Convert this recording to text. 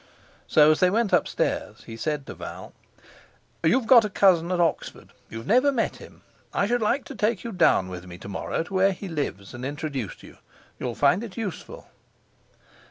So, as they went upstairs, he said to Val: "You've got a cousin at Oxford; you've never met him. I should like to take you down with me to morrow to where he lives and introduce you. You'll find it useful."